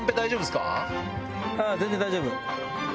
全然大丈夫。